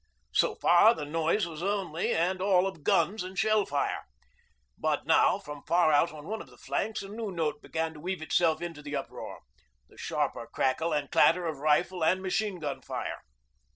So far the noise was only and all of guns and shell fire, but now from far out on one of the flanks a new note began to weave itself into the uproar the sharper crackle and clatter of rifle and machine gun fire.